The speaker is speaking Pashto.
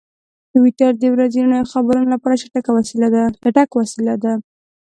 ټویټر د ورځنیو خبرونو لپاره چټک وسیله ده.